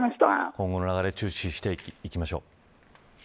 今後の流れ注視していきましょう。